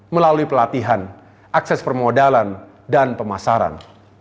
melalui pelatihan akses permodalan dan pemasaran